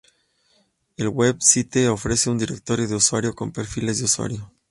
El Web site ofrece un directorio de usuario con perfiles de usuario.